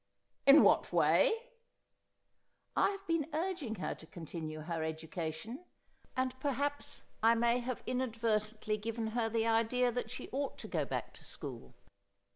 ' In what way ?'' I have been urging her to continue her education ; and per haps I may have inadvertently given her the idea that she ought to go back to school.'